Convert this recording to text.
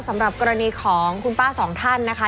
สำหรับกรณีของคุณป้าสองท่านนะคะ